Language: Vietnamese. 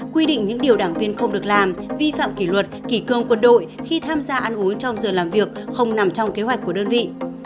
quy định những điều đảng viên không được làm vi phạm kỷ luật kỷ cương quân đội khi tham gia ăn uống trong giờ làm việc không nằm trong kế hoạch của đơn vị